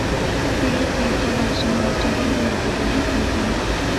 طبیعي قیر په حوضونو او جهیلونو کې پیدا کیږي